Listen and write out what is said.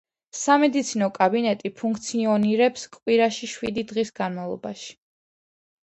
სამედიცინო კაბინეტი ფუნქციონირებს კვირაში შვიდი დღის განმავლობაში.